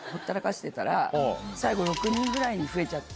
最後６人ぐらいに増えちゃって。